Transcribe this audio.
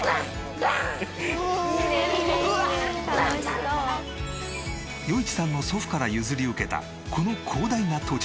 うわあ！余一さんの祖父から譲り受けたこの広大な土地で。